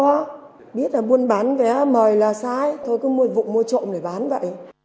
nó biết là buôn bán vé mời là sai thôi cứ mua trộm để bán vậy